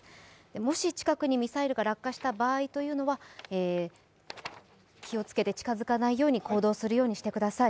もし、近くにミサイルが落下した場合というのは気をつけて近づかないように行動するようにしてください。